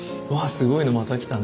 すごいのまた来たね」